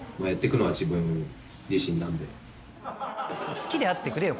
好きであってくれよ